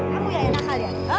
kamu yang enak arya